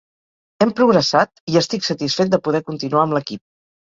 Hem progressat, i estic satisfet de poder continuar amb l'equip.